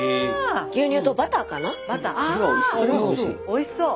おいしそう。